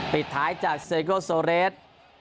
ปิดท้ายจากเซโกโซเรส